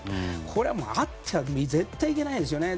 これはもうあっては絶対にいけないですよね。